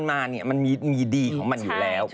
มีดีของมันอยู่แล้ว